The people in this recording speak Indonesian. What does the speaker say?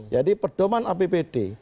jadi perdoman apbd